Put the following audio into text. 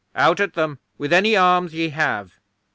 Out at them with any arms ye have!"